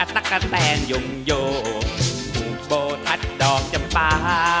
ตะกะแตนยงโยผู้โบทัดดอกจำปลา